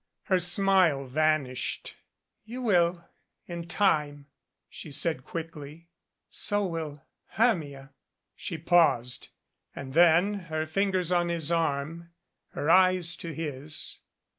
Her smile vanished. "You will in time," she said quickly. "So will Hermia." She paused, and then, her fingers on his arm, her eyes to his.